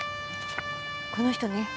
この人ね。